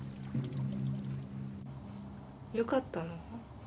よかったの？